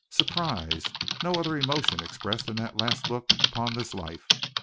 Surprise: no other emotion expressed in that last look upon this life.